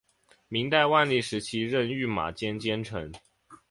明代万历时期任御马监监丞。